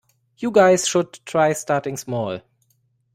You guys should try starting small.